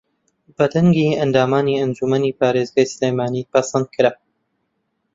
بە دەنگی ئەندامانی ئەنجوومەنی پارێزگای سلێمانی پەسەندکرا